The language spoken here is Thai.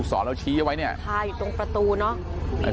โหดดอกหน่อยตรงประตูเนาะ